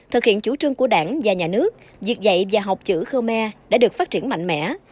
thực hiện chủ trương của đảng và nhà nước việc dạy và học chữ khmer đã được phát triển mạnh mẽ